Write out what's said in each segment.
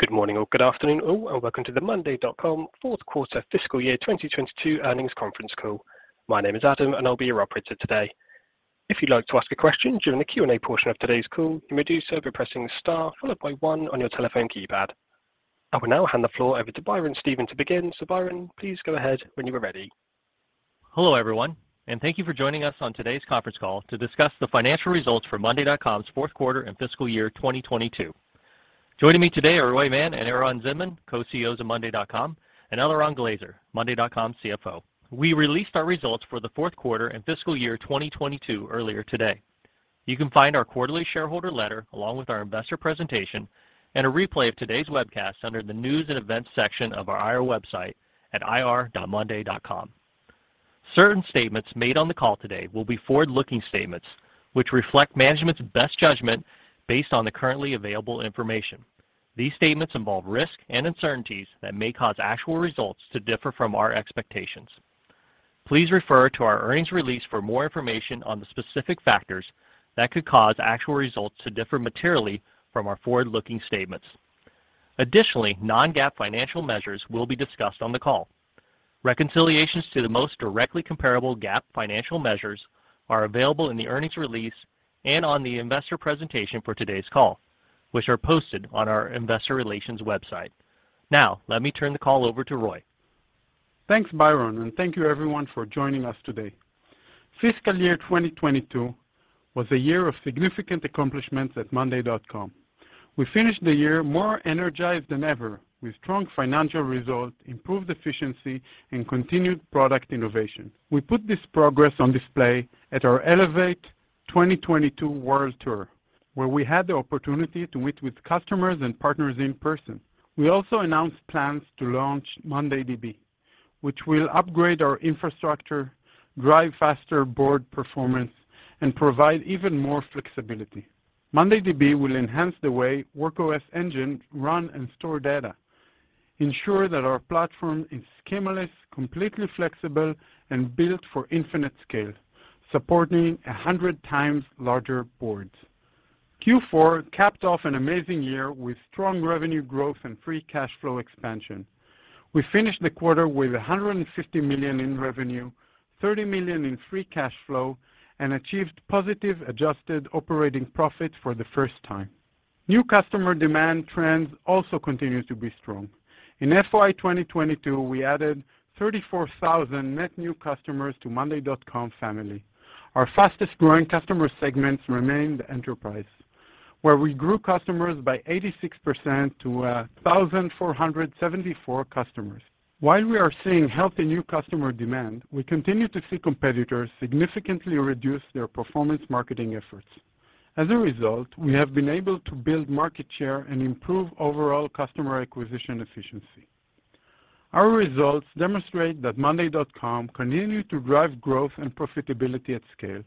Good morning or good afternoon, all, welcome to the monday.com Q4 fiscal year 2022 earnings conference call. My name is Adam, and I'll be your operator today. If you'd like to ask a question during the Q&A portion of today's call, you may do so by pressing star followed by 1 on your telephone keypad. I will now hand the floor over to Byron Spratt to begin. Byron, please go ahead when you are ready. Hello, everyone, and thank you for joining us on today's conference call to discuss the financial results for monday.com's Q4 and fiscal year 2022. Joining me today are Roy Mann and Eran Zinman, co-CEOs of monday.com, and Eliran Glazer, monday.com's CFO. We released our results for the Q4 and fiscal year 2022 earlier today. You can find our quarterly shareholder letter along with our investor presentation and a replay of today's webcast under the News and Events section of our IR website at ir.monday.com. Certain statements made on the call today will be forward-looking statements which reflect management's best judgment based on the currently available information. These statements involve risks and uncertainties that may cause actual results to differ from our expectations. Please refer to our earnings release for more information on the specific factors that could cause actual results to differ materially from our forward-looking statements. Additionally, non-GAAP financial measures will be discussed on the call. Reconciliations to the most directly comparable GAAP financial measures are available in the earnings release and on the investor presentation for today's call, which are posted on our investor relations website. Now, let me turn the call over to Roy. Thanks, Byron, and thank you everyone for joining us today. Fiscal year 2022 was a year of significant accomplishments at monday.com. We finished the year more energized than ever with strong financial results, improved efficiency, and continued product innovation. We put this progress on display at our Elevate 2022 world tour, where we had the opportunity to meet with customers and partners in person. We also announced plans to launch monday DB, which will upgrade our infrastructure, drive faster board performance, and provide even more flexibility. monday DB will enhance the way Work OS engine run and store data, ensure that our platform is schemaless, completely flexible, and built for infinite scale, supporting 100 times larger boards. Q4 capped off an amazing year with strong revenue growth and free cash flow expansion. We finished the quarter with $150 million in revenue, $30 million in free cash flow, and achieved positive adjusted operating profit for the first time. New customer demand trends also continue to be strong. In FY 2022, we added 34,000 net new customers to monday.com family. Our fastest-growing customer segments remained enterprise, where we grew customers by 86% to 1,474 customers. While we are seeing healthy new customer demand, we continue to see competitors significantly reduce their performance marketing efforts. As a result, we have been able to build market share and improve overall customer acquisition efficiency. Our results demonstrate that monday.com continue to drive growth and profitability at scale.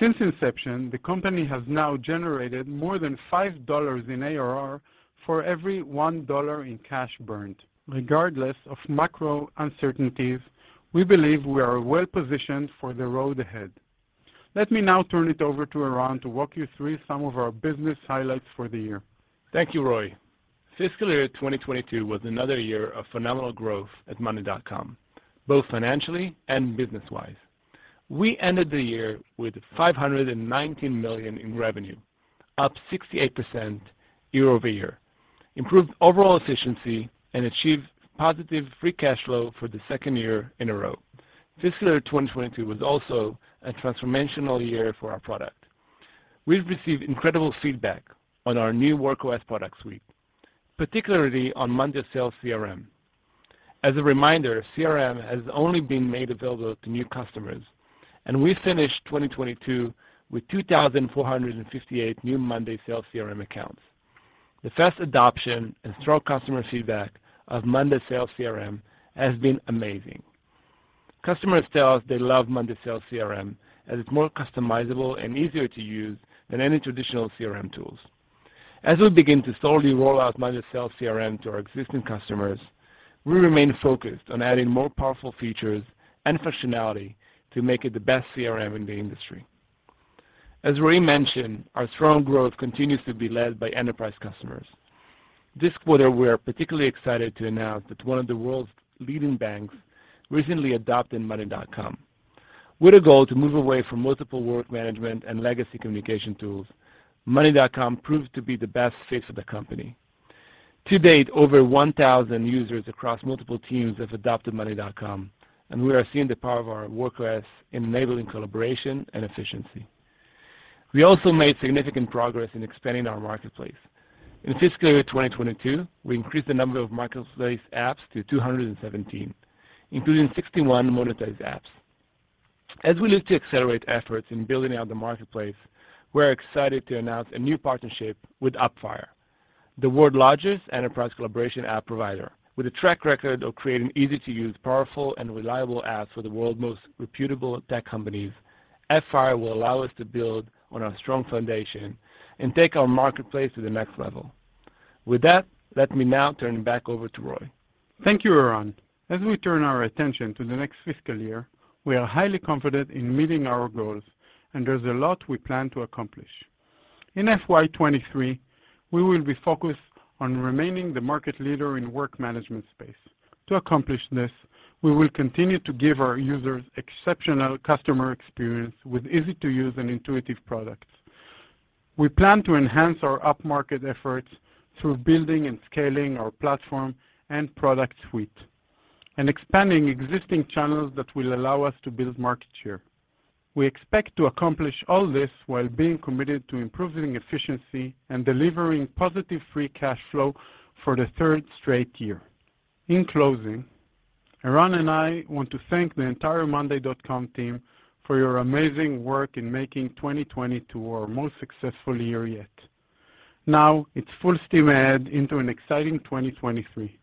Since inception, the company has now generated more than $5 in ARR for every $1 in cash burned. Regardless of macro uncertainties, we believe we are well-positioned for the road ahead. Let me now turn it over to Eran to walk you through some of our business highlights for the year. Thank you, Roy. Fiscal year 2022 was another year of phenomenal growth at monday.com, both financially and business-wise. We ended the year with $519 million in revenue, up 68% year-over-year, improved overall efficiency, and achieved positive free cash flow for the second year in a row. Fiscal year 2022 was also a transformational year for our product. We've received incredible feedback on our new Work OS product suite, particularly on monday sales CRM. As a reminder, CRM has only been made available to new customers, and we finished 2022 with 2,458 new monday sales CRM accounts. The fast adoption and strong customer feedback of monday sales CRM has been amazing. Customers tell us they love monday sales CRM as it's more customizable and easier to use than any traditional CRM tools. As we begin to slowly roll out monday sales CRM to our existing customers, we remain focused on adding more powerful features and functionality to make it the best CRM in the industry. As Roy mentioned, our strong growth continues to be led by enterprise customers. This quarter, we're particularly excited to announce that one of the world's leading banks recently adopted monday.com. With a goal to move away from multiple work management and legacy communication tools, monday.com proved to be the best fit for the company. To date, over 1,000 users across multiple teams have adopted monday.com, and we are seeing the power of our Work OS enabling collaboration and efficiency. We also made significant progress in expanding our marketplace. In fiscal year 2022, we increased the number of marketplace apps to 217, including 61 monetized apps. As we look to accelerate efforts in building out the marketplace, we're excited to announce a new partnership with Appfire, the world's largest enterprise collaboration app provider. With a track record of creating easy-to-use, powerful, and reliable apps for the world's most reputable tech companies, Appfire will allow us to build on our strong foundation and take our marketplace to the next level. With that, let me now turn it back over to Roy. Thank you, Eran. As we turn our attention to the next fiscal year, we are highly confident in meeting our goals. There's a lot we plan to accomplish. In FY 2023, we will be focused on remaining the market leader in work management space. To accomplish this, we will continue to give our users exceptional customer experience with easy-to-use and intuitive products. We plan to enhance our upmarket efforts through building and scaling our platform and product suite and expanding existing channels that will allow us to build market share. We expect to accomplish all this while being committed to improving efficiency and delivering positive free cash flow for the third straight year. In closing, Eran and I want to thank the entire monday.com team for your amazing work in making 2022 our most successful year yet. Now it's full steam ahead into an exciting 2023.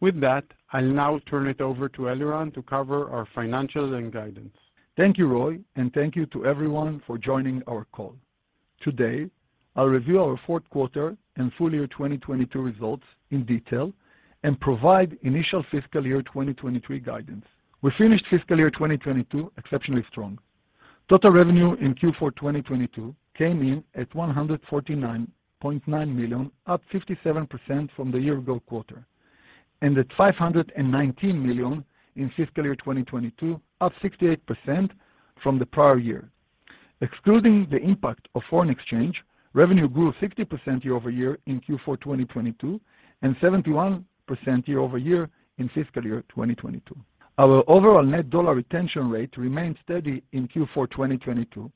With that, I'll now turn it over to Eliran to cover our financials and guidance. Thank you, Roy. Thank you to everyone for joining our call. Today, I'll review our Q4 and full year 2022 results in detail and provide initial fiscal year 2023 guidance. We finished fiscal year 2022 exceptionally strong. Total revenue in Q4 2022 came in at $149.9 million, up 57% from the year ago quarter, and at $519 million in fiscal year 2022, up 68% from the prior year. Excluding the impact of foreign exchange, revenue grew 60% year-over-year in Q4 2022, and 71% year-over-year in fiscal year 2022. Our overall net dollar retention rate remained steady in Q4 2022,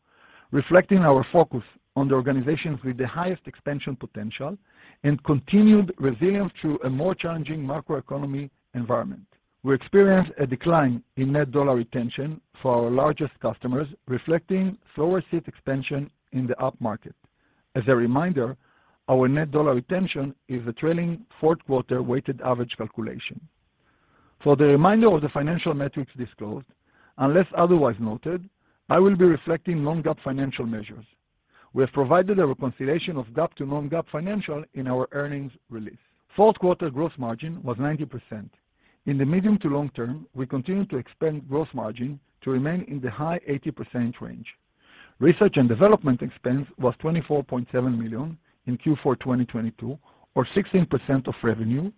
reflecting our focus on the organizations with the highest expansion potential and continued resilience through a more challenging macroeconomy environment. We experienced a decline in net dollar retention for our largest customers, reflecting slower seat expansion in the upmarket. As a reminder, our net dollar retention is a trailing Q4 weighted average calculation. For the reminder of the financial metrics disclosed, unless otherwise noted, I will be reflecting non-GAAP financial measures. We have provided a reconciliation of GAAP to non-GAAP financial in our earnings release. Q4 gross margin was 90%. In the medium to long term, we continue to expand gross margin to remain in the high 80% range. Research and development expense was $24.7 million in Q4 2022, or 16% of revenue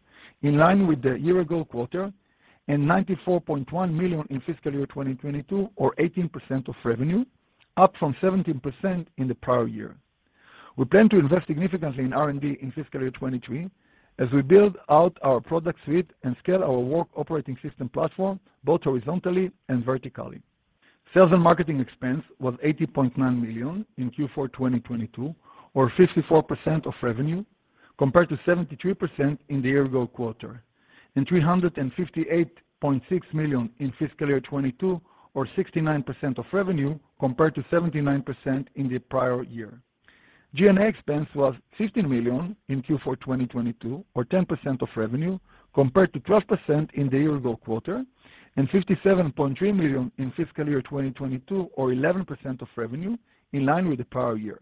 in line with the year ago quarter, and $94.1 million in fiscal year 2022, or 18% of revenue, up from 17% in the prior year. We plan to invest significantly in R&D in fiscal year 2023 as we build out our product suite and scale our work operating system platform both horizontally and vertically. Sales and marketing expense was $80.9 million in Q4 2022, or 54% of revenue, compared to 73% in the year ago quarter, and $358.6 million in fiscal year 2022, or 69% of revenue, compared to 79% in the prior year. G&A expense was $15 million in Q4 2022, or 10% of revenue, compared to 12% in the year ago quarter, and $57.3 million in fiscal year 2022, or 11% of revenue in line with the prior year.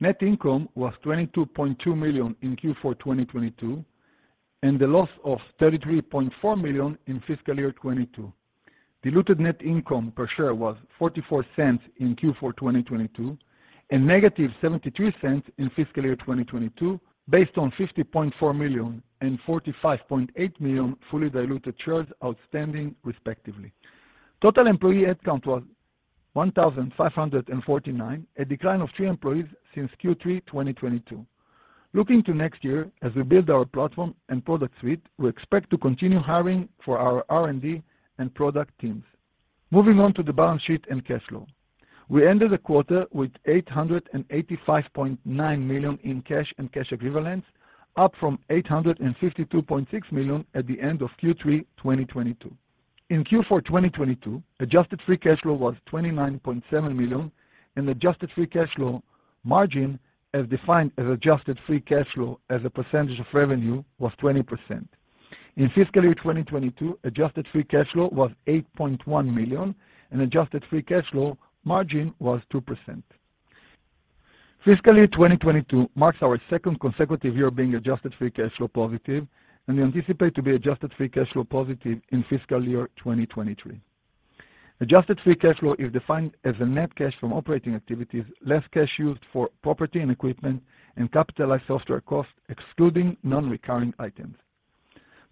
Net income was $22.2 million in Q4 2022, and the loss of $33.4 million in fiscal year 2022. Diluted net income per share was $0.44 in Q4 2022, and -$0.73 in fiscal year 2022, based on 50.4 million and 45.8 million fully diluted shares outstanding, respectively. Total employee headcount was 1,549, a decline of 3 employees since Q3 2022. Looking to next year, as we build our platform and product suite, we expect to continue hiring for our R&D and product teams. Moving on to the balance sheet and cash flow. We ended the quarter with $885.9 million in cash and cash equivalents, up from $852.6 million at the end of Q3 2022. In Q4 2022, adjusted free cash flow was $29.7 million. adjusted free cash flow margin, as defined as adjusted free cash flow as a percentage of revenue, was 20%. In fiscal year 2022, adjusted free cash flow was $8.1 million. adjusted free cash flow margin was 2%. Fiscal year 2022 marks our second consecutive year being adjusted free cash flow positive. We anticipate to be adjusted free cash flow positive in fiscal year 2023. Adjusted free cash flow is defined as the net cash from operating activities, less cash used for property and equipment and capitalized software cost, excluding non-recurring items.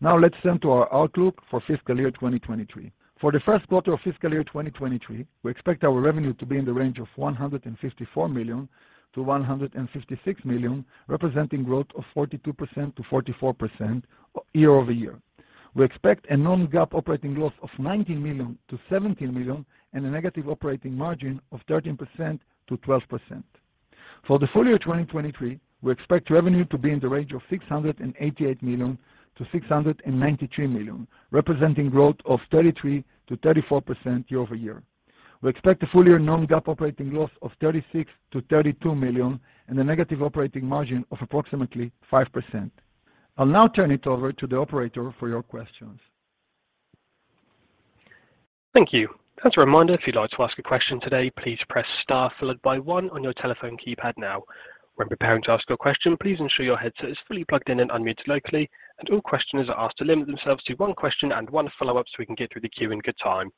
Let's turn to our outlook for fiscal year 2023. For the Q1 of fiscal year 2023, we expect our revenue to be in the range of $154 million-$156 million, representing growth of 42%-44% year-over-year. We expect a non-GAAP operating loss of $19 million-$17 million and a negative operating margin of 13%-12%. For the full year 2023, we expect revenue to be in the range of $688 million-$693 million, representing growth of 33%-34% year-over-year. We expect the full year non-GAAP operating loss of $36 million-$32 million and a negative operating margin of approximately 5%. I'll now turn it over to the operator for your questions. Thank you. As a reminder, if you'd like to ask a question today, please press star followed by one on your telephone keypad now. When preparing to ask your question, please ensure your headset is fully plugged in and unmuted locally, all questioners are asked to limit themselves to one question and one follow-up so we can get through the queue in good time.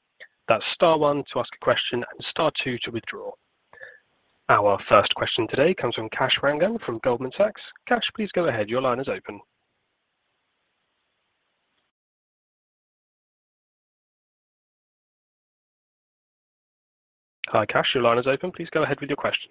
That's star one to ask a question and star two to withdraw. Our first question today comes from Kash Rangan from Goldman Sachs. Kash, please go ahead. Your line is open. Hi, Kash, your line is open. Please go ahead with your question.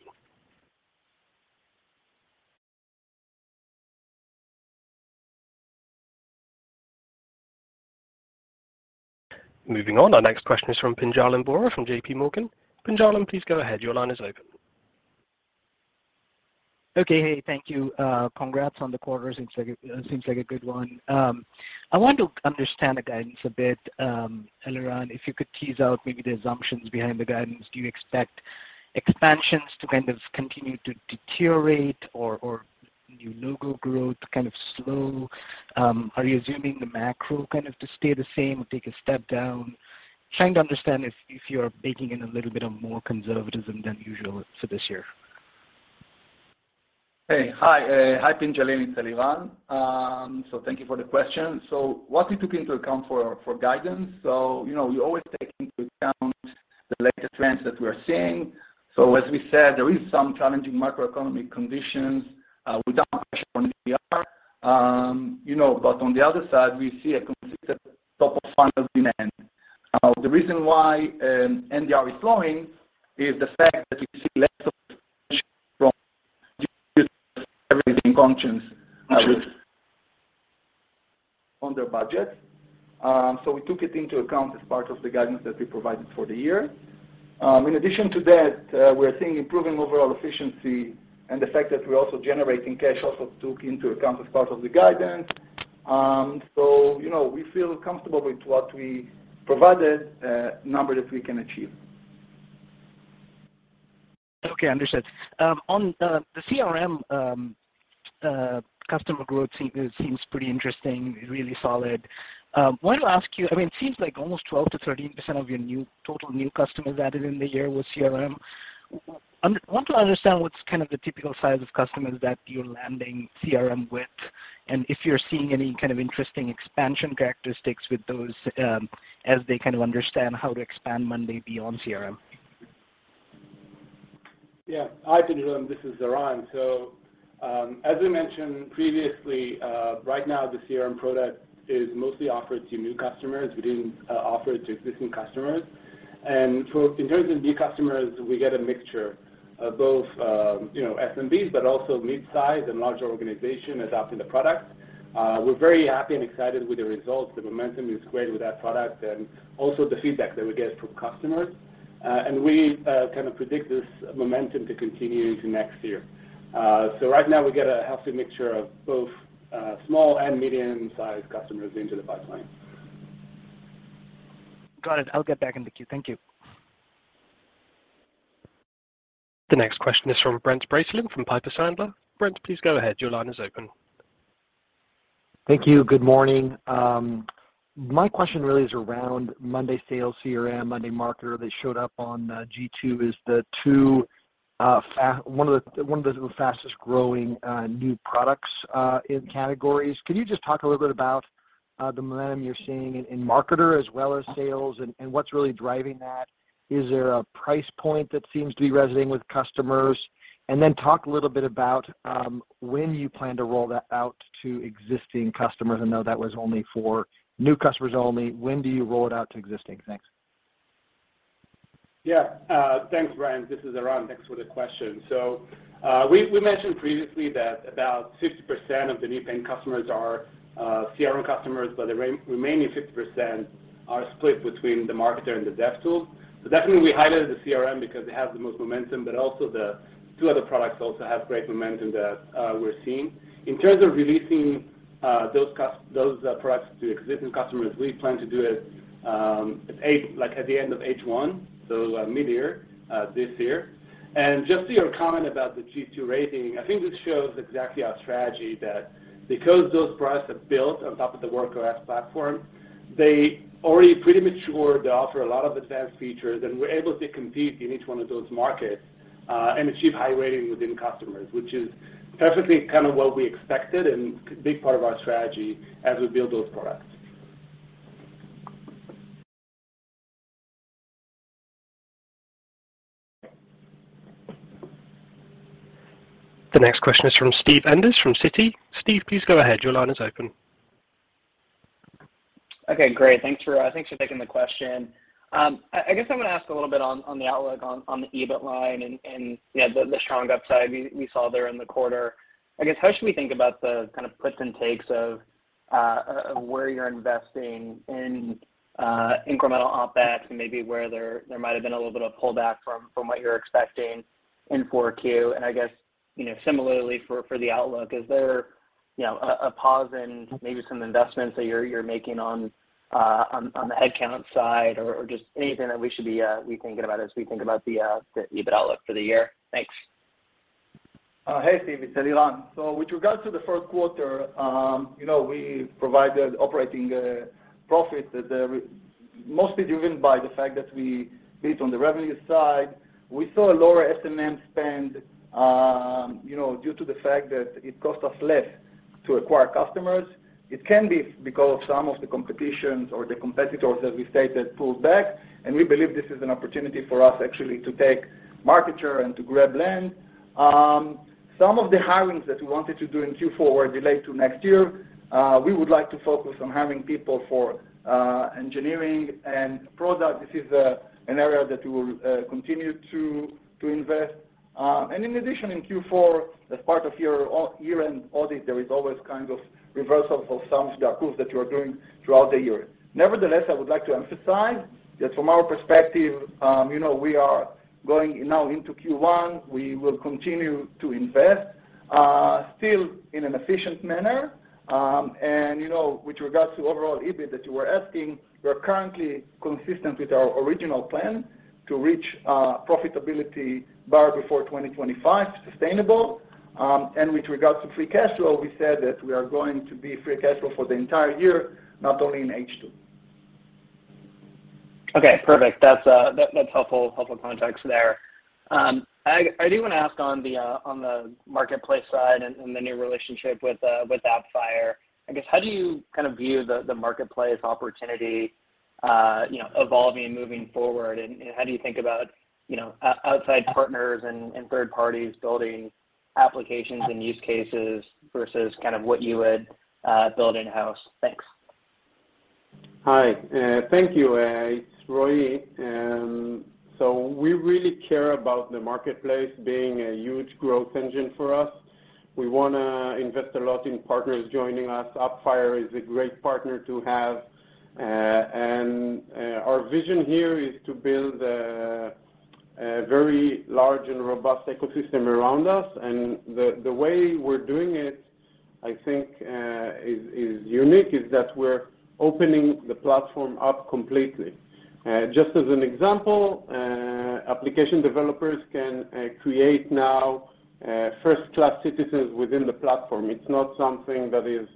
Moving on. Our next question is from Pinjalim Bora from JPMorgan. Pinjalim, please go ahead. Your line is open. Okay. Hey, thank you. Congrats on the quarter. Seems like a, seems like a good one. I want to understand the guidance a bit, Eliran, if you could tease out maybe the assumptions behind the guidance. Do you expect expansions to kind of continue to deteriorate or new logo growth to kind of slow? Are you assuming the macro kind of to stay the same or take a step down? Trying to understand if you're baking in a little bit of more conservatism than usual for this year? Hey. Hi, hi Pinjalim. It's Eliran. Thank you for the question. What we took into account for guidance, you know, we always take into account the latest trends that we're seeing. As we said, there is some challenging macroeconomic conditions, without pressure on NDR. You know, but on the other side, we see a consistent top of funnel demand. The reason why NDR is slowing is the fact that we see less of from everything functions. Sure. -on their budget. We took it into account as part of the guidance that we provided for the year. In addition to that, we're seeing improving overall efficiency and the fact that we're also generating cash also took into account as part of the guidance. You know, we feel comfortable with what we provided, number that we can achieve. Okay, understood. On the CRM, customer growth seems pretty interesting, really solid. Wanted to ask you, I mean, it seems like almost 12% to 13% of your new, total new customers added in the year was CRM. Want to understand what's kind of the typical size of customers that you're landing CRM with and if you're seeing any kind of interesting expansion characteristics with those, as they kind of understand how to expand Monday beyond CRM? Yeah. Hi, Pinjalam. This is Eliran. As we mentioned previously, right now the CRM product is mostly offered to new customers. We didn't offer it to existing customers. In terms of new customers, we get a mixture of both, you know, SMBs, but also mid-size and larger organization adopting the product. We're very happy and excited with the results. The momentum is great with that product and also the feedback that we get from customers. And we kind of predict this momentum to continue into next year. Right now we get a healthy mixture of both, small and medium-sized customers into the pipeline. Got it. I'll get back in the queue. Thank you. The next question is from Brent Bracelin from Piper Sandler. Brent, please go ahead. Your line is open. Thank you. Good morning. My question really is around monday sales CRM, monday marketer. They showed up on G2 as one of the fastest growing new products in categories. Could you just talk a little bit about the momentum you're seeing in marketer as well as sales and what's really driving that? Is there a price point that seems to be resonating with customers? Then talk a little bit about when you plan to roll that out to existing customers. I know that was only for new customers only. When do you roll it out to existing? Thanks. Yeah. Thanks, Brent. This is Eliran. Thanks for the question. We mentioned previously that about 50% of the new paying customers are CRM customers, but the remaining 50% are split between the monday marketer and the monday dev. Definitely we highlighted the CRM because it has the most momentum, but also the two other products also have great momentum that we're seeing. In terms of releasing those products to existing customers, we plan to do it at the end of H1, mid-year this year. Just to your comment about the G2 rating, I think this shows exactly our strategy that because those products are built on top of the Work OS platform, they already pretty mature. They offer a lot of advanced features, and we're able to compete in each one of those markets, and achieve high rating within customers, which is perfectly kind of what we expected and big part of our strategy as we build those products. The next question is from Steve Enders from Citi. Steve, please go ahead. Your line is open. Okay, great. Thanks for taking the question. I guess I'm gonna ask a little bit on the outlook on the EBIT line and, you know, the strong upside we saw there in the quarter. I guess how should we think about the kind of puts and takes of where you're investing in incremental OpEx and maybe where there might have been a little bit of pullback from what you're expecting in 4Q? I guess, you know, similarly for the outlook, is there, you know, a pause in maybe some investments that you're making on the head count side or just anything that we should be thinking about as we think about the EBIT outlook for the year? Thanks. Hey Steve, it's Eliran. With regards to the Q1, you know, we provided operating profit that mostly driven by the fact that we beat on the revenue side. We saw a lower S&M spend, you know, due to the fact that it cost us less to acquire customers. It can be because some of the competitions or the competitors that we stated pulled back, and we believe this is an opportunity for us actually to take market share and to grab land. Some of the hirings that we wanted to do in Q4 were delayed to next year. We would like to focus on hiring people for engineering and product. This is an area that we will continue to invest. In addition, in Q4, as part of your year-end audit, there is always kind of reversal for some stock pools that you are doing throughout the year. Nevertheless, I would like to emphasize that from our perspective, you know, we are going now into Q1. We will continue to invest still in an efficient manner. You know, with regards to overall EBIT that you were asking, we are currently consistent with our original plan to reach profitability bar before 2025, sustainable. With regards to free cash flow, we said that we are going to be free cash flow for the entire year, not only in H2. Okay, perfect. That's helpful context there. I do want to ask on the marketplace side and the new relationship with Appfire. I guess, how do you kind of view the marketplace opportunity, you know, evolving and moving forward? How do you think about, you know, outside partners and third parties building applications and use cases versus kind of what you would build in-house? Thanks. Hi. Thank you. It's Roy. We really care about the marketplace being a huge growth engine for us. We wanna invest a lot in partners joining us. Appfire is a great partner to have. Our vision here is to build a very large and robust ecosystem around us. The way we're doing it, I think, is unique, is that we're opening the platform up completely. Just as an example, application developers can create now first-class citizens within the platform. It's not something that is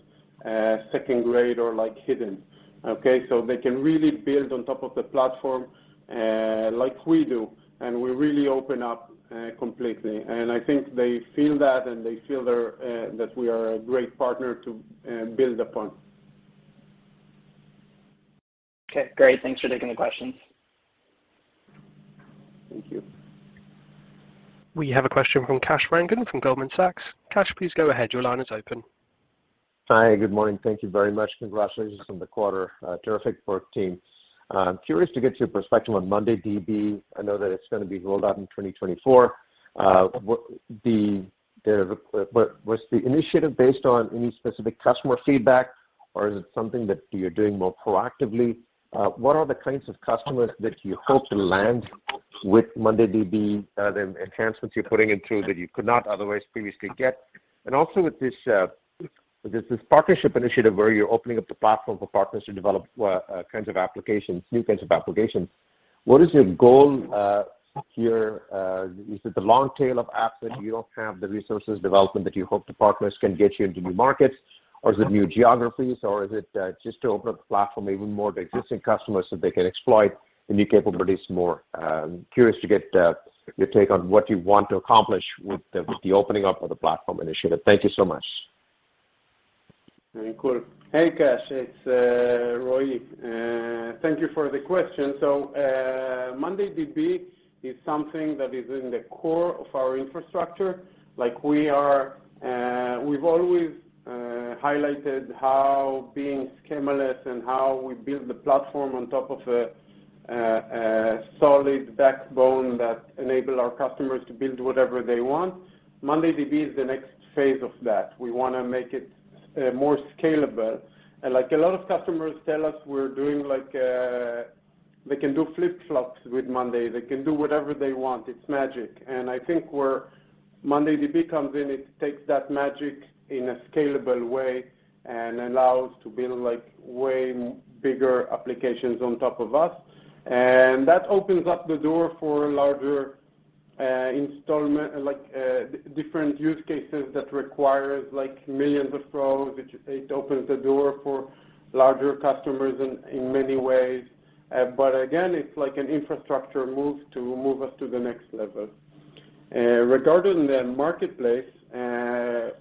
second grade or, like, hidden. Okay? They can really build on top of the platform, like we do, and we really open up completely. I think they feel that, and they feel they're that we are a great partner to build upon. Okay, great. Thanks for taking the questions. Thank you. We have a question from Kash Rangan from Goldman Sachs. Kash, please go ahead. Your line is open. Hi, good morning. Thank you very much. Congratulations on the quarter. terrific work, team. I'm curious to get your perspective on monday DB. I know that it's gonna be rolled out in 2024. what's the initiative based on any specific customer feedback, or is it something that you're doing more proactively? What are the kinds of customers that you hope to land with monday DB, the enhancements you're putting into that you could not otherwise previously get? Also with this partnership initiative where you're opening up the platform for partners to develop kinds of applications, new kinds of applications, what is your goal here? Is it the long tail of apps that you don't have the resources development that you hope the partners can get you into new markets, or is it new geographies, or is it just to open up the platform even more to existing customers so they can exploit the new capabilities more? Curious to get your take on what you want to accomplish with the opening up of the platform initiative. Thank you so much. Very cool. Hey, Kash. It's Roy. Thank you for the question. monday DB is something that is in the core of our infrastructure. Like, we've always highlighted how being schemaless and how we build the platform on top of a solid backbone that enable our customers to build whatever they want. monday DB is the next phase of that. We wanna make it more scalable. Like a lot of customers tell us, we're doing, like, They can do flip-flops with monday. They can do whatever they want. It's magic. I think where monday DB comes in, it takes that magic in a scalable way and allows to build, like, way bigger applications on top of us. That opens up the door for larger installment, like different use cases that requires, like, millions of rows, which it opens the door for larger customers in many ways. Again, it's like an infrastructure move to move us to the next level. Regarding the marketplace,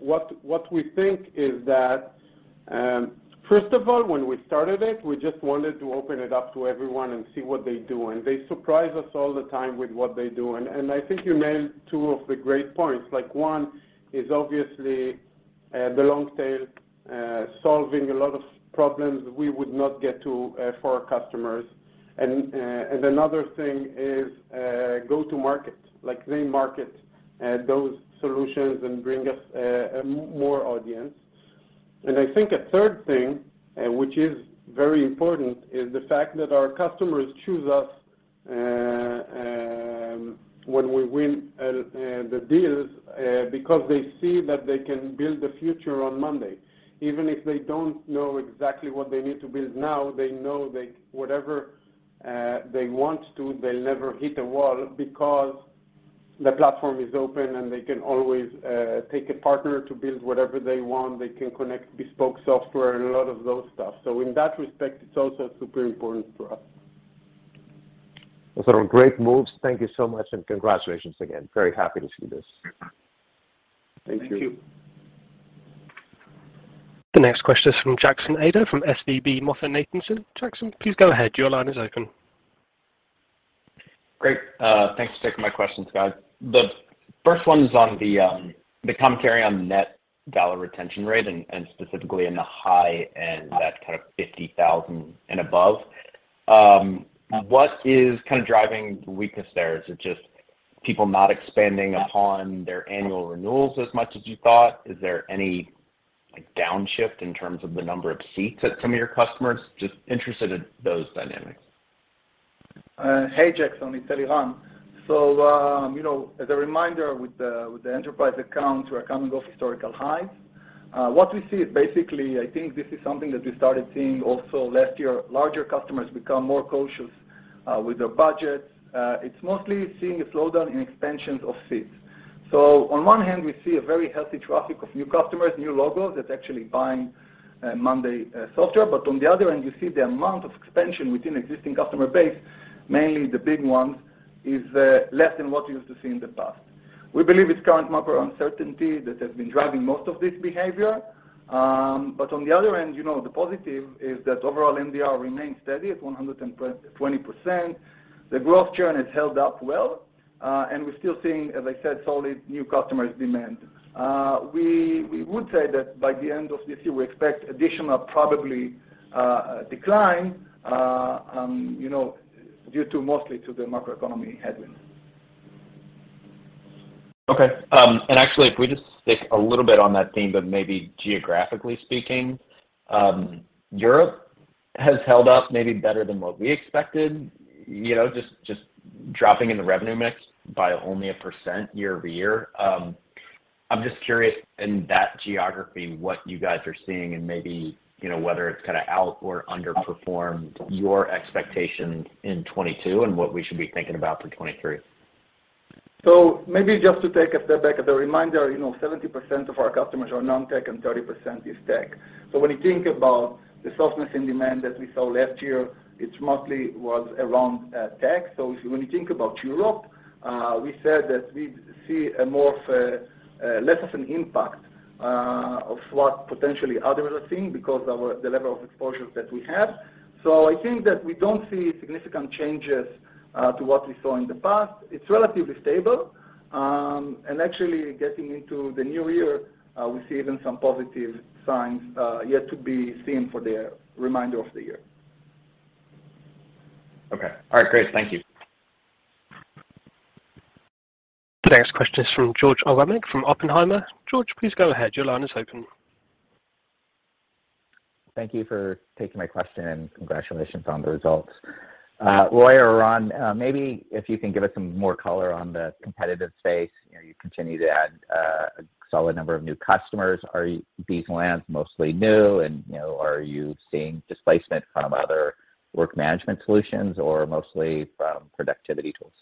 what we think is that, first of all, when we started it, we just wanted to open it up to everyone and see what they do, and they surprise us all the time with what they're doing. I think you nailed two of the great points. Like, one is obviously, the long tail, solving a lot of problems we would not get to for our customers. Another thing is, go to market. Like, they market those solutions and bring us a more audience. I think a third thing, which is very important, is the fact that our customers choose us when we win the deals because they see that they can build the future on Monday. Even if they don't know exactly what they need to build now, they know they, whatever They'll never hit a wall because the platform is open, and they can always take a partner to build whatever they want. They can connect bespoke software and a lot of those stuff. In that respect, it's also super important for us. Those are great moves. Thank you so much, and congratulations again. Very happy to see this. Thank you. Thank you The next question is from Jackson Ader from SVB Securities. Jackson, please go ahead. Your line is open. Great. Thanks for taking my questions, guys. The first one is on the commentary on net dollar retention rate and specifically in the high end, that's kind of 50,000 and above. What is kind of driving weakness there? Is it just people not expanding upon their annual renewals as much as you thought? Is there any downshift in terms of the number of seats that some of your customers? Just interested in those dynamics. Hey, Jackson, it's Eliran. You know, as a reminder, with the enterprise accounts, we're coming off historical highs. What we see is basically, I think this is something that we started seeing also last year, larger customers become more cautious with their budgets. It's mostly seeing a slowdown in expansions of seats. On one hand, we see a very healthy traffic of new customers, new logos that's actually buying monday.com software. On the other hand, you see the amount of expansion within existing customer base, mainly the big ones, is less than what you used to see in the past. We believe it's current macro uncertainty that has been driving most of this behavior. On the other end, you know, the positive is that overall NDR remains steady at 120%. The growth churn has held up well, and we're still seeing, as I said, solid new customers demand. We would say that by the end of this year, we expect additional probably decline, you know, due to mostly to the macroeconomy headwinds. Okay. Actually, if we just stick a little bit on that theme, but maybe geographically speaking, Europe has held up maybe better than what we expected, you know, just dropping in the revenue mix by only 1% year-over-year. I'm just curious in that geography, what you guys are seeing and maybe, you know, whether it's kind of out or underperformed your expectation in 2022 and what we should be thinking about for 2023? Maybe just to take a step back, as a reminder, you know, 70% of our customers are non-tech and 30% is tech. When you think about the softness in demand that we saw last year, it mostly was around tech. When you think about Europe, we said that we see a more of a less of an impact of what potentially others are seeing because the level of exposure that we have. I think that we don't see significant changes to what we saw in the past. It's relatively stable. Actually getting into the new year, we see even some positive signs yet to be seen for the remainder of the year. Okay. All right, great. Thank you. The next question is from George Iwanyc from. George, please go ahead. Your line is open. Thank you for taking my question. Congratulations on the results. Roy or Eran, maybe if you can give us some more color on the competitive space. You know, you continue to add a solid number of new customers. Are these lands mostly new and, you know, are you seeing displacement from other work management solutions or mostly from productivity tools?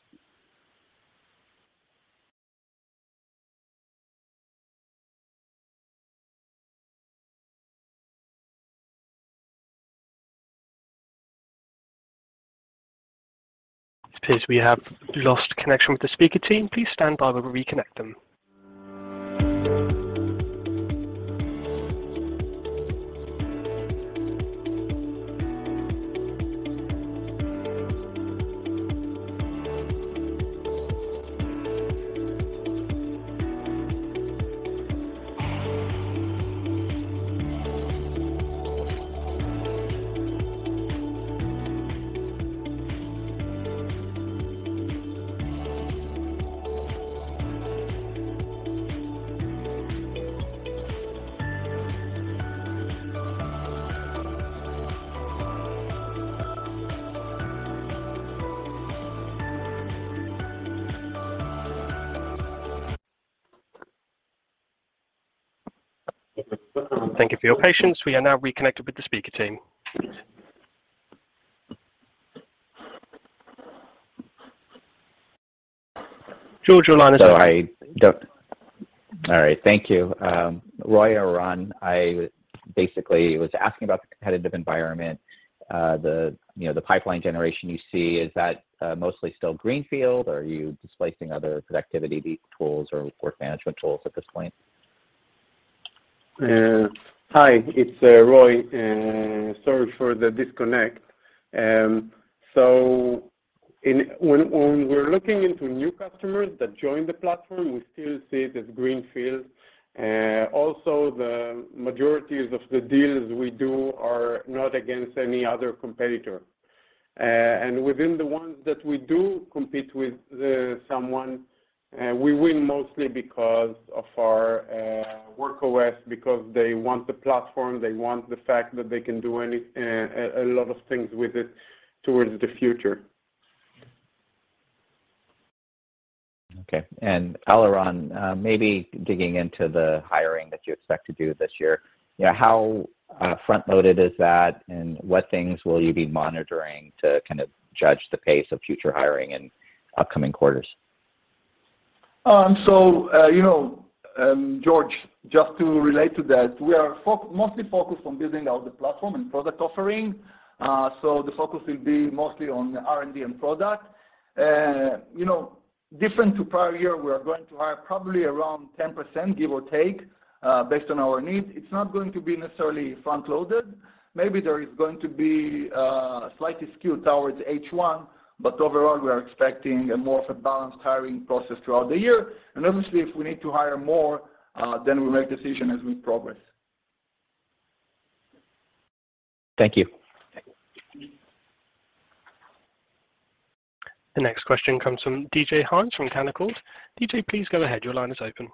It appears we have lost connection with the speaker team. Please stand by while we reconnect them. Thank you for your patience. We are now reconnected with the speaker team. George, your line is open. All right. Thank you. Roy or Eran, I basically was asking about the competitive environment. The, you know, the pipeline generation you see, is that mostly still greenfield, or are you displacing other productivity tools or work management tools at this point? Hi, it's Roy, and sorry for the disconnect. When we're looking into new customers that join the platform, we still see it as greenfield. Also the majorities of the deals we do are not against any other competitor. Within the ones that we do compete with, someone, we win mostly because of our Work OS, because they want the platform, they want the fact that they can do any, a lot of things with it towards the future. Okay. Eliran, maybe digging into the hiring that you expect to do this year, you know, how front-loaded is that, and what things will you be monitoring to kind of judge the pace of future hiring in upcoming quarters? You know, George, just to relate to that, we are mostly focused on building out the platform and product offering, so the focus will be mostly on R&D and product. You know, different to prior year, we are going to hire probably around 10%, give or take, based on our needs. It's not going to be necessarily front-loaded. Maybe there is going to be a slightly skewed towards H1, but overall, we are expecting a more of a balanced hiring process throughout the year. Obviously, if we need to hire more, then we'll make decision as we progress. Thank you. Thank you. The next question comes from DJ Hynes from Canaccord. DJ, please go ahead. Your line is open.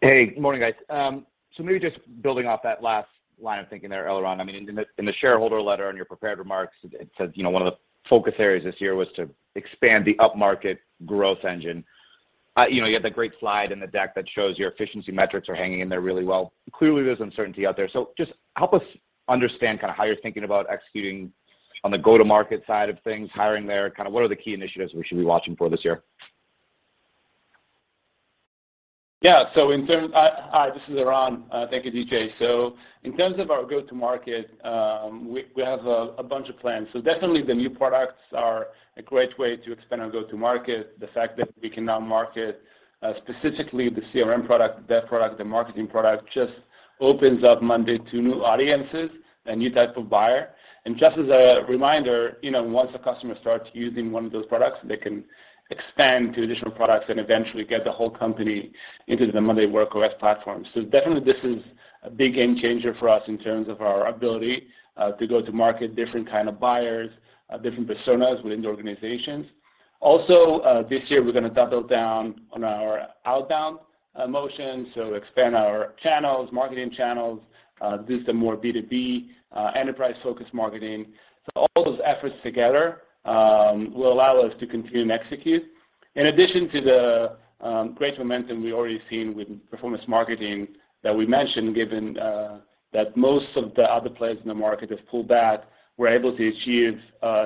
Hey, good morning, guys. Maybe just building off that last line of thinking there, Eliran. I mean, in the shareholder letter, in your prepared remarks, it says, you know, one of the focus areas this year was to expand the up-market growth engine. You know, you had the great slide in the deck that shows your efficiency metrics are hanging in there really well. Clearly, there's uncertainty out there. Just help us understand kinda how you're thinking about executing on the go-to-market side of things, hiring there, kind of what are the key initiatives we should be watching for this year? Hi, this is Eran. Thank you, DJ. In terms of our go-to-market, we have a bunch of plans. Definitely the new products are a great way to expand our go-to-market. The fact that we can now market specifically the CRM product, dev product, the marketing product, just opens up monday.com to new audiences, a new type of buyer. Just as a reminder, you know, once a customer starts using one of those products, they can expand to additional products and eventually get the whole company into the monday Work OS platform. Definitely this is a big game changer for us in terms of our ability to go to market different kind of buyers, different personas within the organizations. Also, this year we're gonna double down on our outbound motion, so expand our channels, marketing channels, do some more B2B enterprise-focused marketing. All those efforts together will allow us to continue and execute. In addition to the great momentum we already seen with performance marketing that we mentioned, given that most of the other players in the market have pulled back, we're able to achieve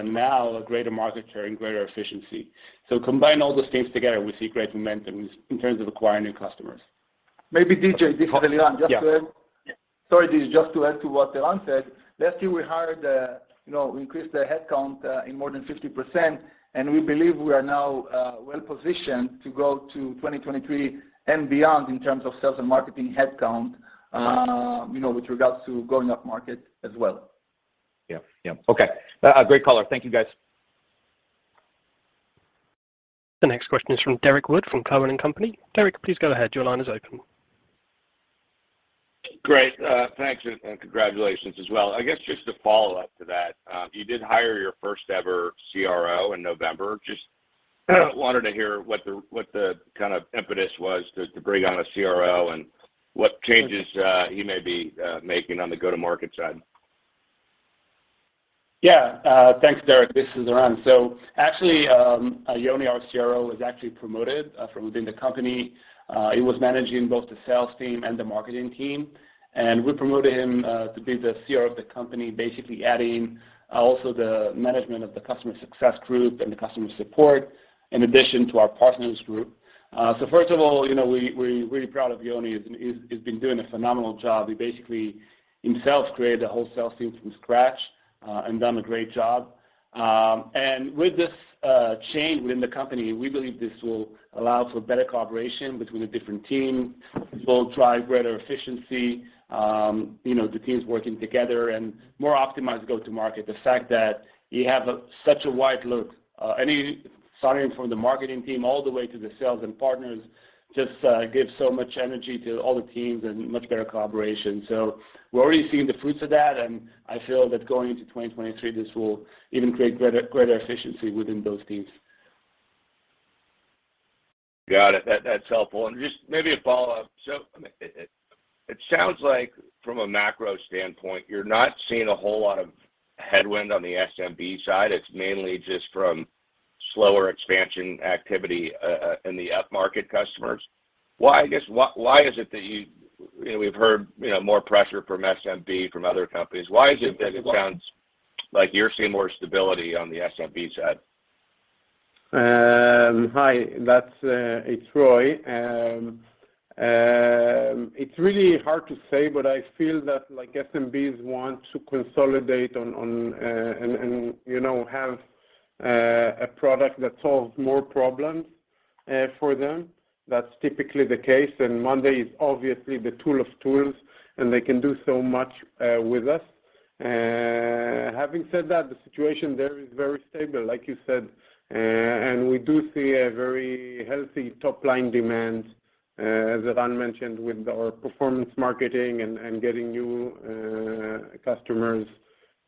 now a greater market share and greater efficiency. Combine all those things together, we see great momentum in terms of acquiring new customers. Maybe DJ, this is Aleron. Yeah. Sorry, DJ, just to add to what Eran said. Last year, we hired, you know, we increased the headcount in more than 50%, and we believe we are now well-positioned to grow to 2023 and beyond in terms of sales and marketing headcount, you know, with regards to going up market as well. Yeah. Yeah. Okay. Great color. Thank you, guys. The next question is from Derrick Wood from Cowen and Company. Derek, please go ahead. Your line is open. Great. Thanks, and congratulations as well. I guess just to follow up to that, you did hire your first ever CRO in November, just kind of wanted to hear what the kind of impetus was to bring on a CRO and what changes he may be making on the go-to-market side? Yeah. Thanks, Derrick. This is Eran. Actually, Yoni, our CRO, was actually promoted from within the company. He was managing both the sales team and the marketing team. We promoted him to be the CRO of the company, basically adding also the management of the customer success group and the customer support, in addition to our partners group. First of all, you know, we're really proud of Yoni. He's been doing a phenomenal job. He basically himself created a whole sales team from scratch and done a great job. With this change within the company, we believe this will allow for better collaboration between the different teams, this will drive greater efficiency, you know, the teams working together, and more optimized go-to-market. The fact that he have a such a wide look, any starting from the marketing team all the way to the sales and partners just gives so much energy to all the teams and much better collaboration. We're already seeing the fruits of that, and I feel that going into 2023, this will even create greater efficiency within those teams. Got it. That's helpful. Just maybe a follow-up. It sounds like from a macro standpoint, you're not seeing a whole lot of headwind on the SMB side. It's mainly just from slower expansion activity in the up-market customers. Why, I guess why is it that you know, we've heard, you know, more pressure from SMB from other companies. Why is it that it sounds like you're seeing more stability on the SMB side? Hi, that's Roy. It's really hard to say, but I feel that like SMBs want to consolidate on and, you know, have a product that solves more problems for them. That's typically the case, and Monday is obviously the tool of tools, and they can do so much with us. Having said that, the situation there is very stable, like you said, and we do see a very healthy top-line demand, as Eran mentioned, with our performance marketing and getting new customers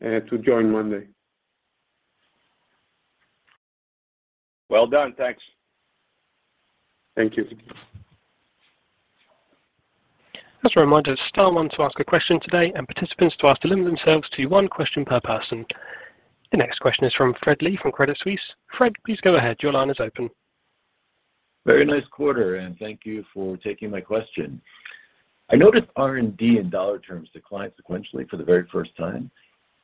to join Monday. Well done. Thanks. Thank you. As a reminder, star one to ask a question today, and participants to ask to limit themselves to one question per person. The next question is from Fred Lee from Credit Suisse. Fred, please go ahead. Your line is open. Very nice quarter. Thank you for taking my question. I noticed R&D in dollar terms declined sequentially for the very first time.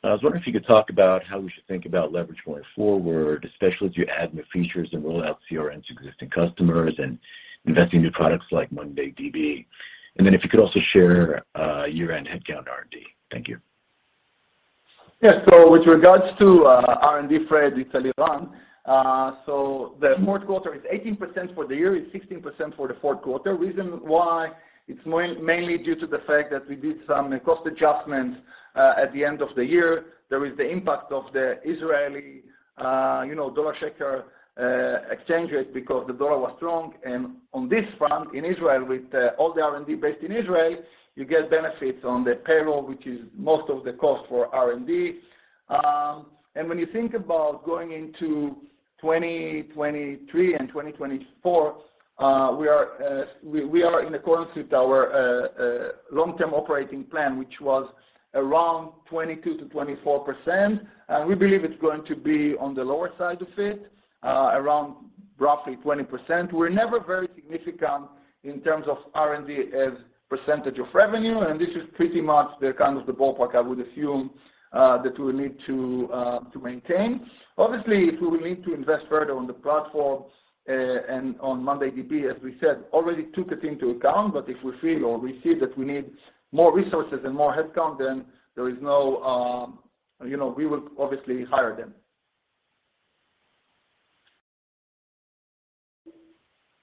I was wondering if you could talk about how we should think about leverage going forward, especially as you add new features and roll out CRM to existing customers and investing in new products like monday DB. If you could also share year-end headcount R&D. Thank you. With regards to R&D, Fred, it's Eliran. The Q4 is 18% for the year, it's 16% for the Q4. Reason why, it's mainly due to the fact that we did some cost adjustments at the end of the year. There is the impact of the Israeli, you know, dollar shekel exchanges because the dollar was strong. On this front, in Israel, with all the R&D based in Israel, you get benefits on the payroll, which is most of the cost for R&D. When you think about going into 2023 and 2024, we are in accordance with our long-term operating plan, which was around 22%-24%. We believe it's going to be on the lower side of it, around roughly 20%. We're never very significant in terms of R&D as percentage of revenue, and this is pretty much the kind of the ballpark I would assume that we need to maintain. Obviously, if we will need to invest further on the platform and on monday DB, as we said, already took it into account. If we feel or we see that we need more resources and more headcount, then there is no, you know, we will obviously hire then.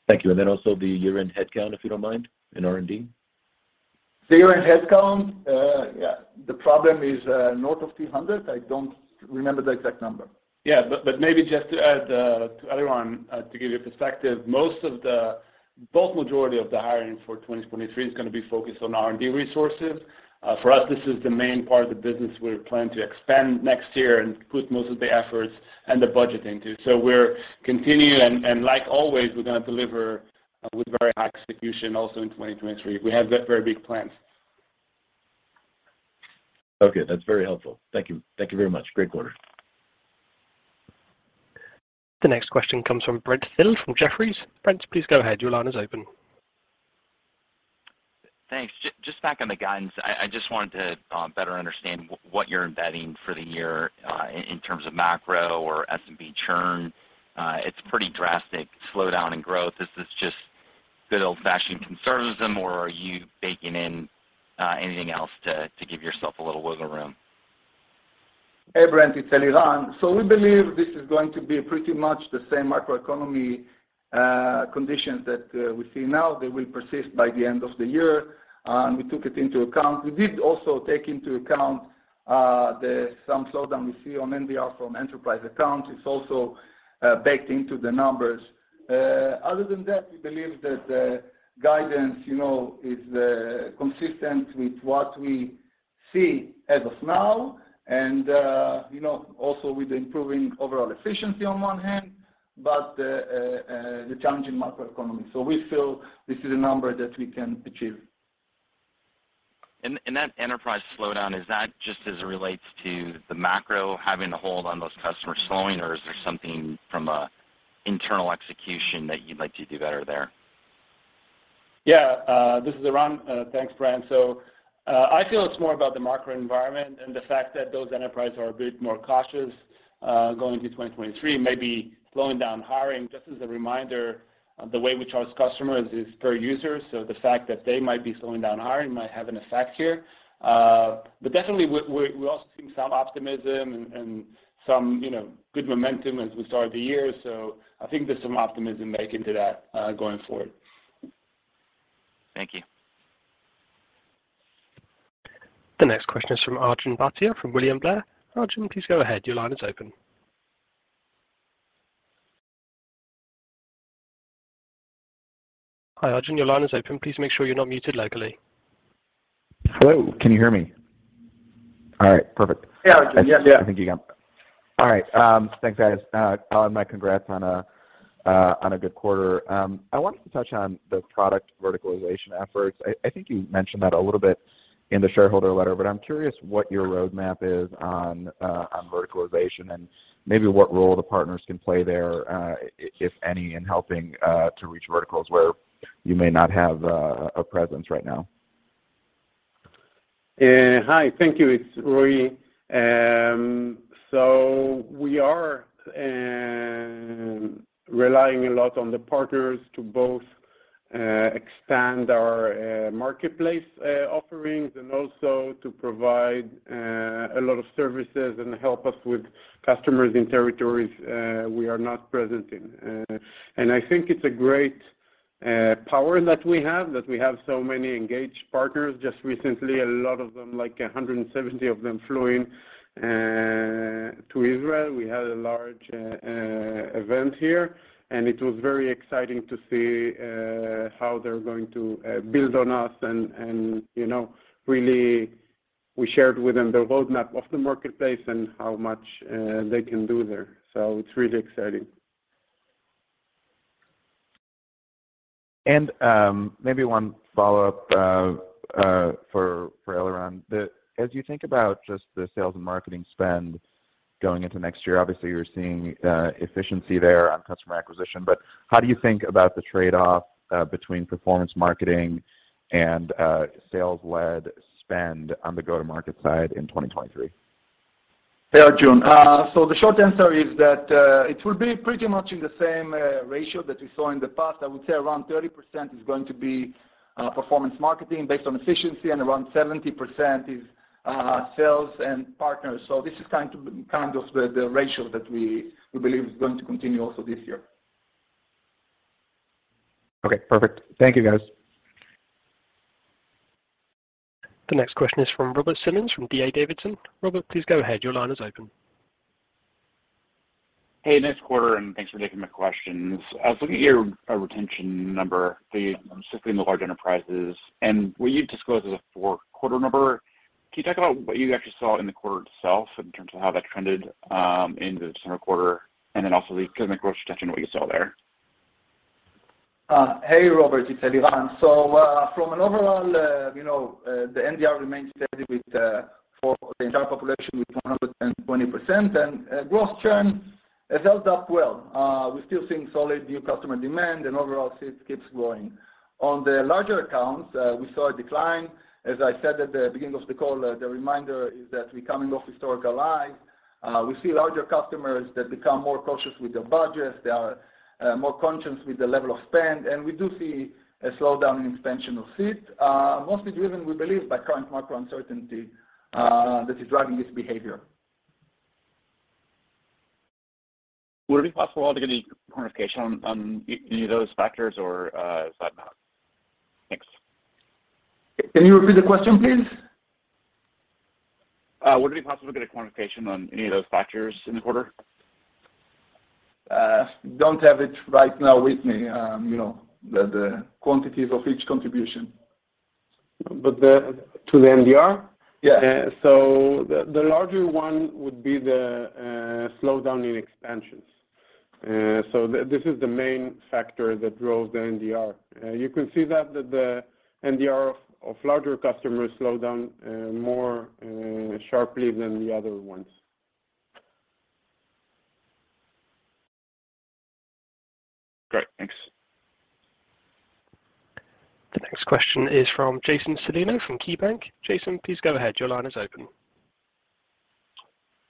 Thank you. Also the year-end headcount, if you don't mind, in R&D. The year-end headcount, yeah. The problem is north of 300. I don't remember the exact number. Yeah. But maybe just to add to Eliran, to give you perspective, vast majority of the hiring for 2023 is gonna be focused on R&D resources. For us, this is the main part of the business we plan to expand next year and put most of the efforts and the budget into. We're continuing, and like always, we're gonna deliver with very high execution also in 2023. We have very big plans. Okay. That's very helpful. Thank you. Thank you very much. Great quarter. The next question comes from Brent Thill from. Brent, please go ahead. Your line is open. Thanks. Just back on the guidance, I just wanted to better understand what you're embedding for the year in terms of macro or SMB churn. It's pretty drastic slowdown in growth. Is this just good old-fashioned conservatism, or are you baking in anything else to give yourself a little wiggle room? Brent, it's Eliran. We believe this is going to be pretty much the same macro economy conditions that we see now. They will persist by the end of the year. We took it into account. We did also take into account some slowdown we see on NDR from enterprise accounts. It's also baked into the numbers. Other than that, we believe that the guidance, you know, is consistent with what we see as of now and, you know, also with improving overall efficiency on one hand, but the challenging macro economy. We feel this is a number that we can achieve. That enterprise slowdown, is that just as it relates to the macro having to hold on those customers slowing, or is there something from an internal execution that you'd like to do better there? Yeah. This is Eran. Thanks, Brent. I feel it's more about the macro environment and the fact that those enterprise are a bit more cautious, going into 2023, maybe slowing down hiring. Just as a reminder, the way we charge customers is per user, so the fact that they might be slowing down hiring might have an effect here. Definitely we're also seeing some optimism and some, you know, good momentum as we start the year. I think there's some optimism bake into that, going forward. Thank you. The next question is from Arjun Bhatia from William Blair. Arjun, please go ahead. Your line is open. Hi, Arjun, your line is open. Please make sure you're not muted locally. Hello, can you hear me? All right, perfect. Yeah, Arjun. Yes, yeah. I think you can. All right. Thanks, guys. My congrats on a good quarter. I wanted to touch on the product verticalization efforts. I think you mentioned that a little bit in the shareholder letter, but I'm curious what your roadmap is on verticalization and maybe what role the partners can play there, if any, in helping to reach verticals where you may not have a presence right now. Hi. Thank you. It's Roy. We are relying a lot on the partners to both expand our marketplace offerings and also to provide a lot of services and help us with customers in territories we are not present in. I think it's a great power that we have, that we have so many engaged partners. Just recently, a lot of them, like 170 of them flew in to Israel. We had a large event here, and it was very exciting to see how they're going to build on us and, you know, really we shared with them the roadmap of the marketplace and how much they can do there. It's really exciting. Maybe one follow-up for Eliran. As you think about just the sales and marketing spend going into next year, obviously you're seeing efficiency there on customer acquisition, but how do you think about the trade-off between performance marketing and sales-led spend on the go-to-market side in 2023? Hey, Arjun. The short answer is that, it will be pretty much in the same, ratio that we saw in the past. I would say around 30% is going to be, performance marketing based on efficiency, and around 70% is, sales and partners. This is kind of the ratio that we believe is going to continue also this year. Okay, perfect. Thank you, guys. The next question is from Robert Simmons from D.A. Davidson. Robert, please go ahead. Your line is open. Hey, nice quarter, and thanks for taking my questions. I was looking at your retention number for specifically in the large enterprises and what you disclosed as a Q4 number. Can you talk about what you actually saw in the quarter itself in terms of how that trended in the December quarter, and then also the customer growth retention and what you saw there? Hey, Robert, it's Eliran. From an overall, you know, the NDR remains steady with for the entire population with 120%. Growth churn has held up well. We're still seeing solid new customer demand and overall seats keeps growing. On the larger accounts, we saw a decline. As I said at the beginning of the call, the reminder is that we're coming off historical highs. We see larger customers that become more cautious with their budgets. They are more conscious with the level of spend, we do see a slowdown in expansion of seats, mostly driven, we believe, by current macro uncertainty that is driving this behavior. Would it be possible to get any quantification on any of those factors or, if not? Thanks. Can you repeat the question, please? Would it be possible to get a quantification on any of those factors in the quarter? Don't have it right now with me, you know, the quantities of each contribution. To the NDR? Yeah. The larger one would be the slowdown in expansions. This is the main factor that drove the NDR. You can see that the NDR of larger customers slowed down more sharply than the other ones. Great. Thanks. The next question is from Jason Celino from KeyBank. Jason, please go ahead. Your line is open.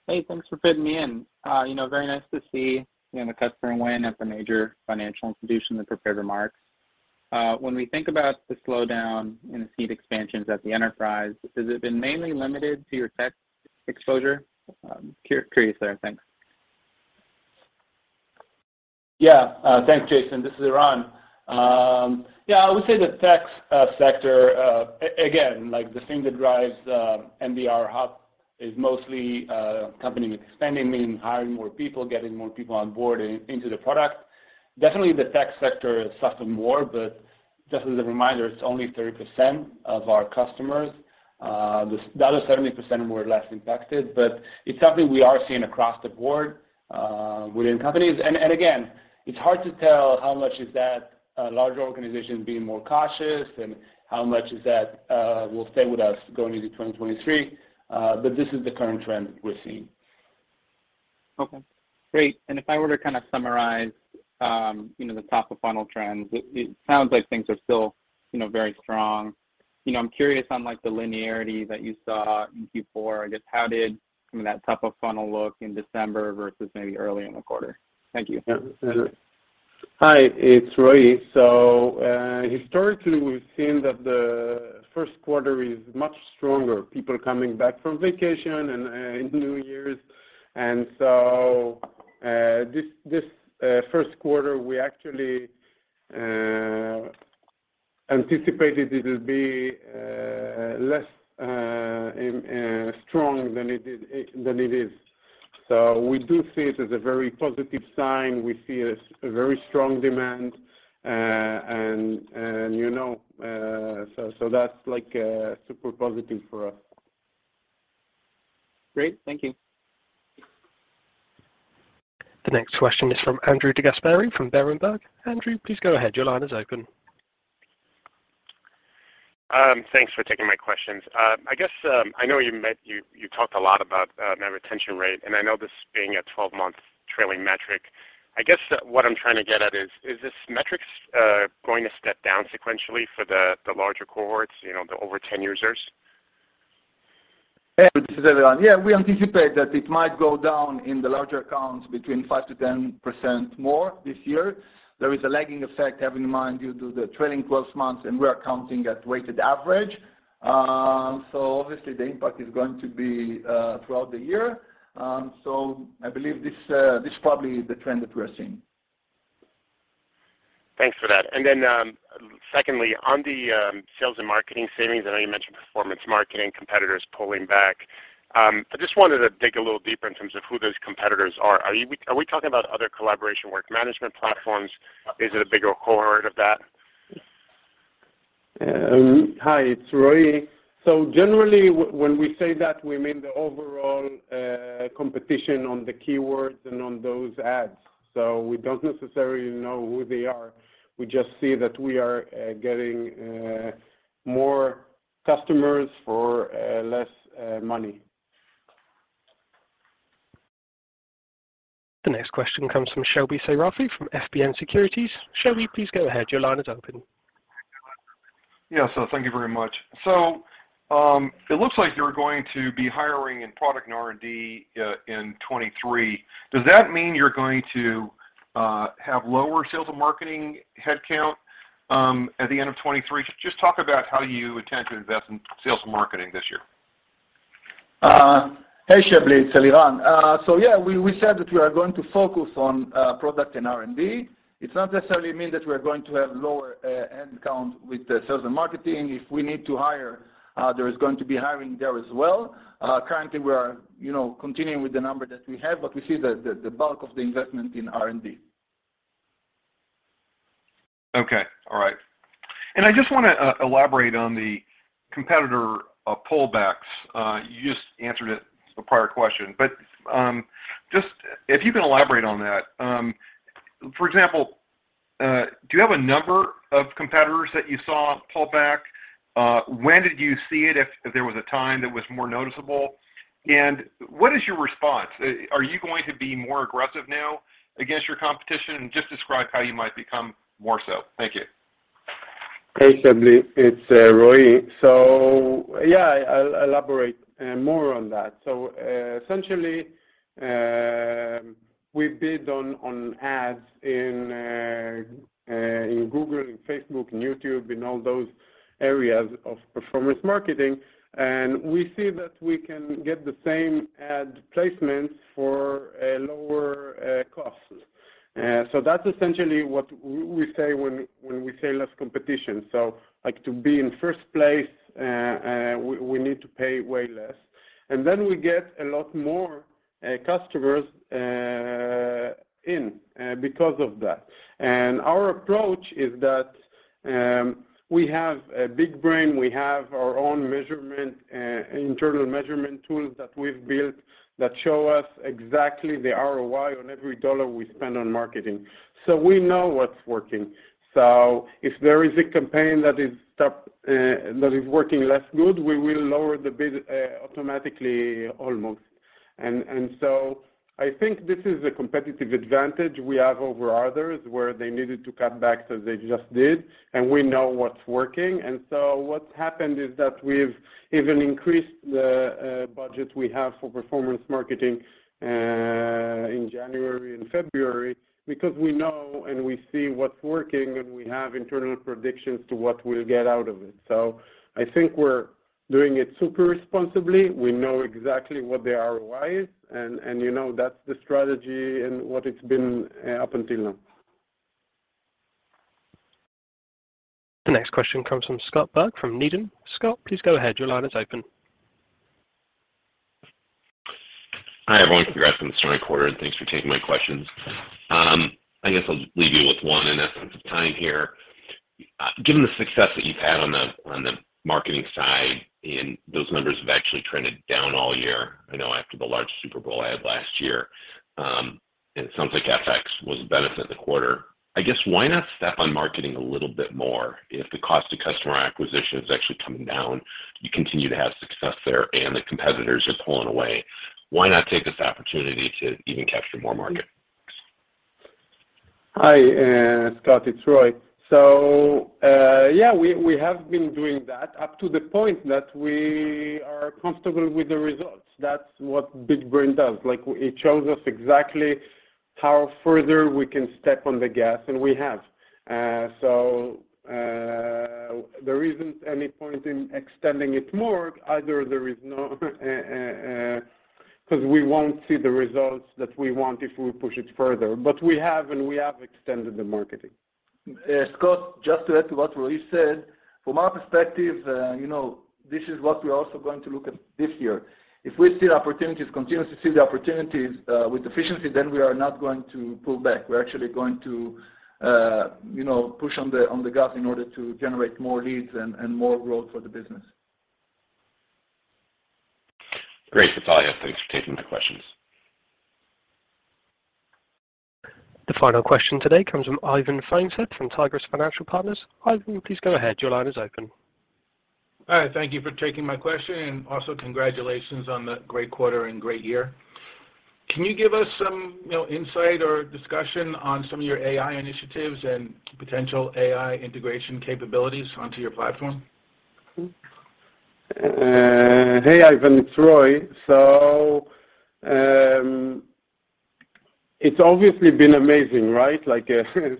Hey, thanks for fitting me in. You know, very nice to see, you know, the customer win at the major financial institution, the prepared remarks. When we think about the slowdown in the seat expansions at the enterprise, has it been mainly limited to your tech exposure? Curious there. Thanks. Thanks, Jason. This is Eliran. Again, like the thing that drives NDR up is mostly companies expanding, meaning hiring more people, getting more people on board into the product. Definitely the tech sector is suffering more, just as a reminder, it's only 30% of our customers. The other 70% were less impacted, it's something we are seeing across the board within companies. Again, it's hard to tell how much is that larger organizations being more cautious and how much is that will stay with us going into 2023. This is the current trend we're seeing. Okay, great. If I were to kind of summarize, you know, the top of funnel trends, it sounds like things are still, you know, very strong. I'm curious on like the linearity that you saw in Q4. I guess how did, I mean, that top of funnel look in December versus maybe early in the quarter? Thank you. Yeah. Hi, it's Roy. Historically, we've seen that the Q1 is much stronger, people coming back from vacation and New Years. This Q1, we actually anticipated it'll be less strong than it is. We do see it as a very positive sign. We see a very strong demand. You know, so that's like super positive for us. Great. Thank you. The next question is from Andrew DeGasperi from Berenberg. Andrew, please go ahead. Your line is open. Thanks for taking my questions. I guess I know you talked a lot about net retention rate, and I know this being a 12-month trailing metric. I guess what I'm trying to get at is this metrics going to step down sequentially for the larger cohorts, you know, the over 10 users? Hey, this is Eliran. Yeah, we anticipate that it might go down in the larger accounts between 5%-10% more this year. There is a lagging effect, having in mind due to the trailing 12 months, and we're counting at weighted average. obviously the impact is going to be throughout the year. I believe this is probably the trend that we're seeing. Thanks for that. Secondly, on the sales and marketing savings, I know you mentioned performance marketing, competitors pulling back. I just wanted to dig a little deeper in terms of who those competitors are. Are we talking about other collaboration work management platforms? Is it a bigger cohort of that? Hi, it's Roy. Generally when we say that, we mean the overall competition on the keywords and on those ads. We don't necessarily know who they are. We just see that we are getting more customers for less money. The next question comes from Shebly Seyrafi from FBN Securities. Shebly, please go ahead. Your line is open. Thank you very much. It looks like you're going to be hiring in product and R&D in 2023. Does that mean you're going to have lower sales and marketing headcount at the end of 2023? Just talk about how you intend to invest in sales and marketing this year. Hey, Shebly, it's Eliran. Yeah, we said that we are going to focus on product and R&D. It's not necessarily mean that we're going to have lower head count with the sales and marketing. If we need to hire, there is going to be hiring there as well. Currently we are, you know, continuing with the number that we have, but we see the bulk of the investment in R&D. Okay. All right. I just wanna elaborate on the competitor pullbacks. You just answered it a prior question, but just if you can elaborate on that. For example, do you have a number of competitors that you saw pull back? When did you see it if there was a time that was more noticeable? What is your response? Are you going to be more aggressive now against your competition? Just describe how you might become more so. Thank you. Hey, Shebly. It's Roy. Yeah, I'll elaborate more on that. Essentially, we bid on ads in Google, in Facebook, in YouTube, in all those areas of performance marketing. We see that we can get the same ad placements for a lower cost. That's essentially what we say when we say less competition. Like to be in first place, we need to pay way less. We get a lot more customers because of that. Our approach is that we have a BigBrain, we have our own measurement internal measurement tools that we've built that show us exactly the ROI on every $1 we spend on marketing. We know what's working. If there is a campaign that is working less good, we will lower the bid automatically almost. I think this is a competitive advantage we have over others, where they needed to cut back, so they just did, and we know what's working. What's happened is that we've even increased the budget we have for performance marketing in January and February because we know and we see what's working, and we have internal predictions to what we'll get out of it. I think we're doing it super responsibly. We know exactly what the ROI is and, you know, that's the strategy and what it's been up until now. The next question comes from Scott Berg from Needham. Scott, please go ahead. Your line is open. Hi, everyone. Congrats on the strong quarter, thanks for taking my questions. I guess I'll leave you with one in essence of time here. Given the success that you've had on the marketing side, those numbers have actually trended down all year, I know after the large Super Bowl ad last year, it sounds like FX was a benefit in the quarter. I guess why not step on marketing a little bit more? If the cost to customer acquisition is actually coming down, you continue to have success there and the competitors are pulling away, why not take this opportunity to even capture more market? Thanks. Hi, Scott. It's Roy. Yeah, we have been doing that up to the point that we are comfortable with the results. That's what BigBrain does. Like, it shows us exactly how further we can step on the gas, and we have. There isn't any point in extending it more. Either there is no 'Cause we won't see the results that we want if we push it further. We have, and we have extended the marketing. Scott, just to add to what Roy said. From our perspective, you know, this is what we're also going to look at this year. If we see the opportunities, continue to see the opportunities, with efficiency, then we are not going to pull back. We're actually going to, you know, push on the, on the gas in order to generate more leads and more growth for the business. Great. That's all I have. Thanks for taking my questions. The final question today comes from Ivan Feinseth from Tigress Financial Partners. Ivan, please go ahead. Your line is open. All right. Thank you for taking my question, and also congratulations on the great quarter and great year. Can you give us some, you know, insight or discussion on some of your AI initiatives and potential AI integration capabilities onto your platform? Hey, Ivan. It's Roy. It's obviously been amazing, right? Like,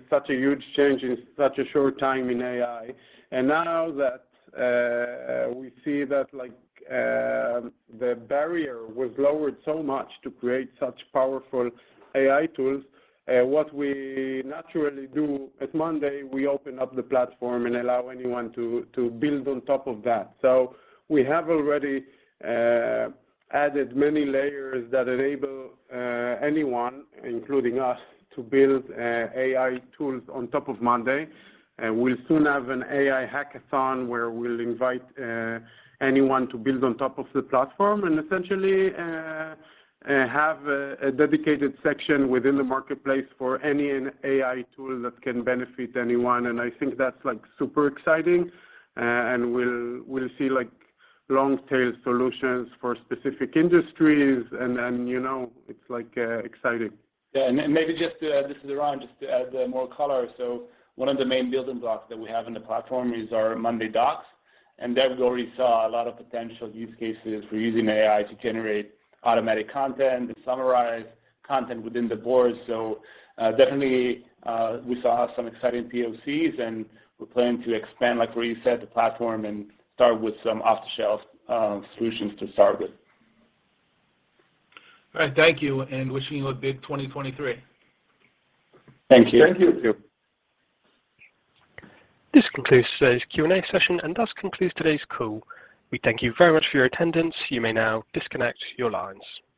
such a huge change in such a short time in AI. Now that we see that like, the barrier was lowered so much to create such powerful AI tools, what we naturally do at Monday, we open up the platform and allow anyone to build on top of that. We have already added many layers that enable anyone, including us, to build AI tools on top of Monday. We'll soon have an AI hackathon where we'll invite anyone to build on top of the platform and essentially have a dedicated section within the marketplace for any AI tool that can benefit anyone. I think that's like super exciting, and we'll see like long tail solutions for specific industries and, you know, it's like, exciting. Yeah. Maybe just, this is Eliran, just to add more color. One of the main building blocks that we have in the platform is our monday Docs, and there we already saw a lot of potential use cases for using AI to generate automatic content, to summarize content within the board. Definitely, we saw some exciting POCs, and we're planning to expand, like Roy said, the platform and start with some off-the-shelf solutions to start with. All right. Thank you, and wishing you a big 2023. Thank you. Thank you. Thank you. This concludes today's Q&A session and thus concludes today's call. We thank you very much for your attendance. You may now disconnect your lines.